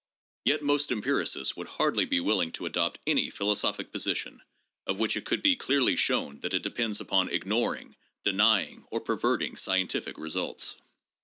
Yet most empiricists would hardly be willing to adopt any philo sophic position of which it could be clearly shown that it depends upon ignoring, denying or perverting scientific results.